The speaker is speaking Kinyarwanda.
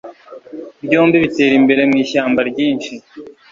byombi bitera imbere mwishyamba ryinshi